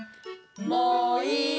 もういいよ！